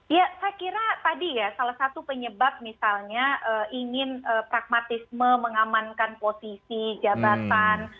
ya saya kira tadi ya salah satu penyebab misalnya ingin pragmatisme mengamankan posisi jabatan